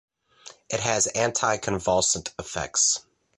It has anticonvulsant effects.